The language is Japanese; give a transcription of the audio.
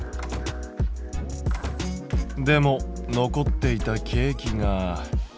でも残っていたケーキが。